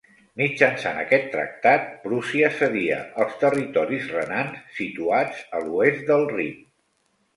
Mitjançant aquest tractat, Prússia cedia els territoris renans situats a l'oest del Rin.